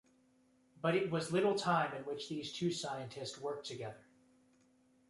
But it was little time in which these two scientists worked together.